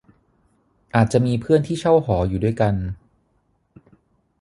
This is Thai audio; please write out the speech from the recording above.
อาจจะมีเพื่อนที่เช่าหออยู่ด้วยกัน